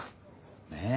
ねえ？